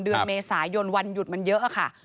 เดือนเมษายนวันหยุดมันเยอะค่ะ